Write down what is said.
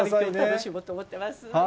楽しもうと思ってます。